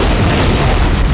tidak ada yang lebih sakti dariku